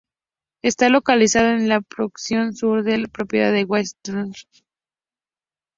Está localizado en la porción sur de la propiedad de Walt Disney World Resort.